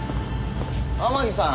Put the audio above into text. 天樹さん。